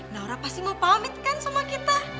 naura pasti mau pamitkan sama kita